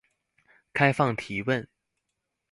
開放提問